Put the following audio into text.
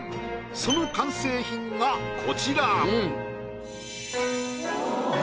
その完成品がこちら。